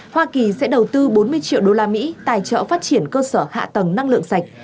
hoa kỳ sẽ đầu tư bốn mươi triệu đô la mỹ tài trợ phát triển cơ sở hạ tầng năng lượng sạch